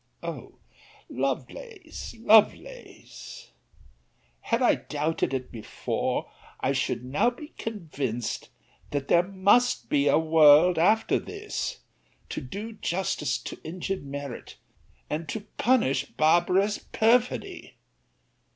O LOVELACE! LOVELACE! had I doubted it before, I should now be convinced, that there must be a WORLD AFTER THIS, to do justice to injured merit, and to punish barbarous perfidy!